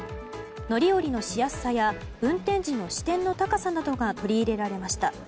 乗り降りのしやすさや運転時の視点の高さなどが取り入れられました。